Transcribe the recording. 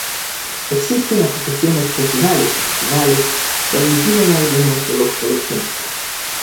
Existen asociaciones regionales y nacionales que aglutinan a algunos de los coleccionistas.